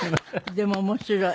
でも面白い。